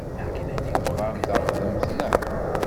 Tebɣam taɣdemt, naɣ?